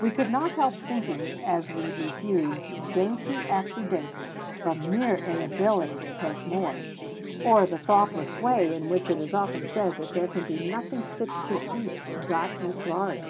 We could not help thinking, as we refused dainty after dainty, from mere inability to take more, of the thoughtless way in which it is often said that there can be nothing fit to eat got in Florida.